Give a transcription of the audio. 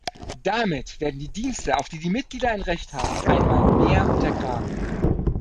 Damit werden die Dienste, auf die die Mitglieder ein Recht haben, einmal mehr untergraben.